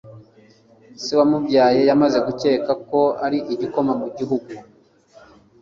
Se wamubyaye yamaze gukeka ko ari igikoma mu gihugu.